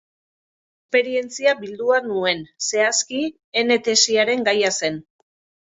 Esperientzia bildua nuen, zehazki ene tesiaren gaia zen.